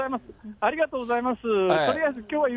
ありがとうございます。